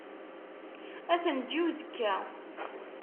Ad t-neǧǧ i uzekka.